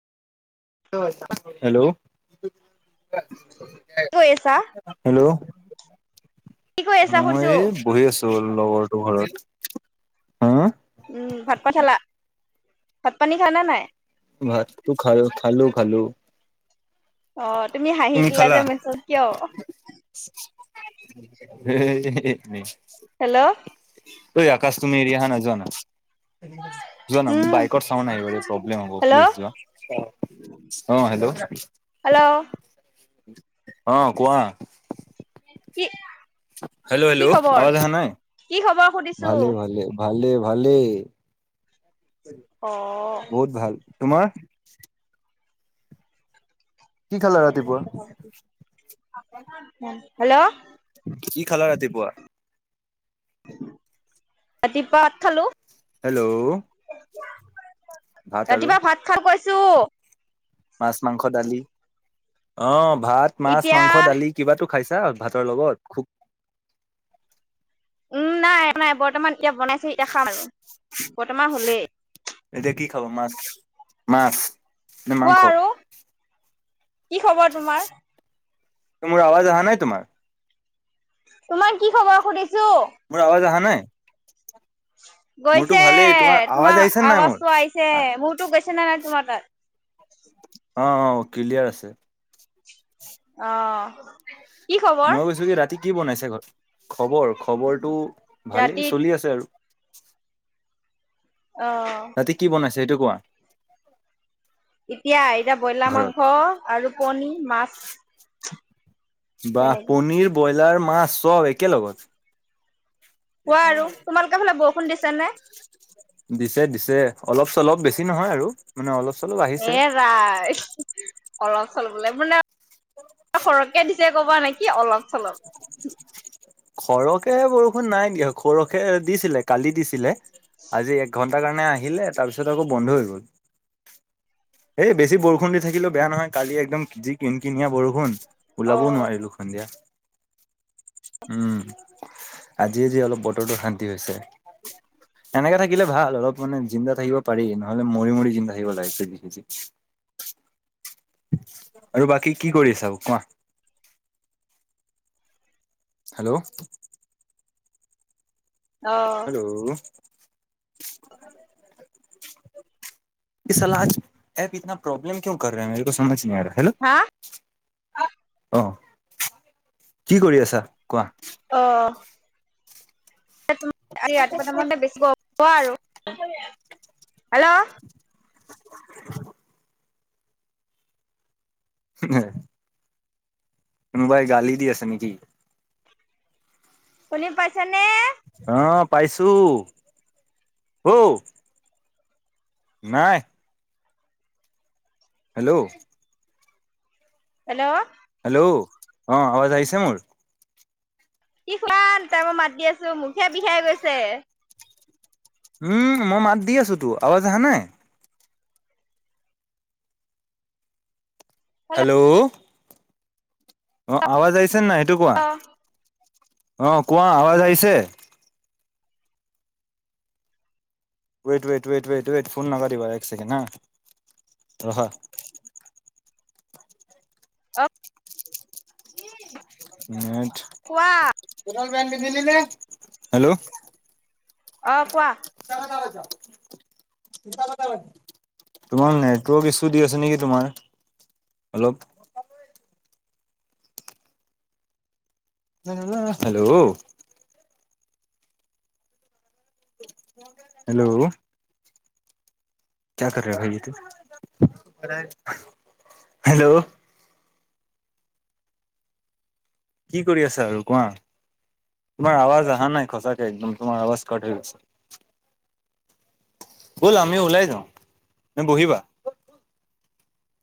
Hello. কি কৰি আছা? হেল্ল' কি কৰি আছা সুধিছো? মই বহি আছো লগৰটোৰ ঘৰত, হা। উম ভাত পা খালা? ভাত-পানী খালা নে নাই? ভাতটো খালো, খালো, খালো। অ, তুমি হাঁহি দিলা যে মাজত কিয়? [unintelligible] হেল্ল' এই আকাশ তুমি এৰি আহানা যোৱানা। যোৱানা উম, বাইকৰ চাউণ্ড আহিব ৰে। প্ৰব্লেম হ'ব হেল্ল' প্লিজ যোৱা, অ হেল্ল'। হেল্ল' অ কোৱা। কি হেল্ল', কি হেল্ল' খবৰ? আৱাজ আহা নাই, কি খবৰ সুধিছো? ভালেই ভালেই। ভালে, ভালে। অ', বহুত ভাল, তোমাৰ? কি খালা ৰাতিপুৱা [unintelligible] হেল্ল' কি খালা ৰাতিপুৱা? ৰাতিপুৱা ভাত খালো। হেল্লও। ৰাতিপুৱা ভাত খাল কৈছো। মাছ, মাংস, দালি। অ ভাত, মাছ, এতিয়া মাংস, দালি। কিবাটো খাইছা ভাতৰ লগত? খুক উম নাই, নাই বৰ্তমান এতিয়া বনাইছেহে এতিয়া খাম আৰু বৰ্তমান হ'লেই। এতিয়া কি খাবা? মাছ, মাছ? নে কোৱা মাংস আৰু কি খবৰ তোমাৰ? ত মোৰ আৱাজ আহা নাই তোমাৰ? তোমাৰ কি খবৰ সুধিছো। মোৰ আৱাজ আহা নাই? মোৰতো গৈছে, ভালেই আৱাজ তোমাৰ আহিছে নাই মোৰ আৱাজটো আহিছে। মোৰটো গৈছে নে নাই তোমাৰ তাত? অ, অ কিলিয়াৰ আছে। অ। কি খবৰ মই কৈছো কি ৰাতি কি বনাইছে ঘৰত? খবৰ, খবৰটো ভালেই ৰাতিত চলি আছে আৰু। অ। ৰাতি কি বনাইছে সেইটো কোৱা। এতিয়া, এতিয়া ব্ৰইলাৰ ঘৰত মাংস আৰু পণী, মাছ। বাহঃ তেনেকে পনীৰ, ব্ৰইলাৰ, মাছ চব একেলগত। কোৱা আৰু তোমালোকৰ ফালে বৰষুণ দিছে নে? দিছে, দিছে, অলপ-চলপ বেছি নহয় আৰু। মানে অলপ চলপ আ এৰাই অলপ চলিব বোলে। মানে সৰহকে দিছে ক'ব নোৱাৰে কি অলপ-চলপ? সৰহকে বৰষুণ নাই দিয়া। সৰহকে দিছিলে কালি দিছিলে আজি একঘণ টাৰ কাৰণে আহিলে তাৰপিছত আকৌ বন্ধ হৈ গ'ল। এ বেছি বৰষুণ দি থাকিলেও বেয়া নহয়। কালি একদম যি কিন-কিনিয়া বৰষুণ। ওলাবও অ', নোৱাৰিলো সন্ধিয়া। উম আজিয়ে যি অলপ বতৰটো শান্তি হৈছে। এনেকে থাকিলে ভাল অলপ মানে জিন্দা থাকিব পাৰি, নহ'লে মৰি মৰি জিন্দা থাকিব লাগে। আৰু বাকী কি কৰি আছা কোৱা। হেল্ল' অ। হেল্লও। ই চালা আজ এপ ইতনা প্ৰব্লেম কিও কৰ ৰহা হে? মেৰেক' চমজ নেহি আ ৰহা। হেল্ল। হা? আহ, কি কৰি আছা কোৱা? অ', ৰাতিপ তামতে বেছি গৰম আৰু হেল্ল', হ [unintelligible] কোনবাই গালী দিয় আছে নে কি? শুনি পাইছা নে? অ, পাইছো হও, নাই। হেল্ল', হেল্ল', হেল্ল' অ, আৱাজ আহিছে মোৰ? কি খুৱান তাই মই মাত দি আছো মুখেই বিষাই গৈছে। উম, মই মাত দি আছো তো আৱাজ অহা নাই? হেল্ল', অ, আৱাজ আহিছে নে নাই, সেইটো কোৱা অ, কোৱা আৱাজ আহিছে? ৱেইট-ৱেইট-ৱেইট-ৱেইট-ৱেইট ফোন নকৰিব এক ছেকেণ্ড হা ৰখা। অ', মোঠ। [unintelligible] কোৱা? হেল্ল', অঁ, কোৱা? মিছা কথা কৈছ মিছা কথা কৈছ। তোমাক নেটৱৰ্ক ইছো দি আছে নেকি? তোমাৰ অলপ। হেল্ল', হেল্ল', ক্যা কৰ ৰহে হো ভাই এইটো হেল্ল', কি কৰি আছা আৰু কোৱা? তোমাৰ আৱাজ অহা নাই সঁচাকে একদম তোমাৰ আৱাজ কাট হৈ গৈছে। ব'ল আমি ওলাই যাওঁ নে বহিবা?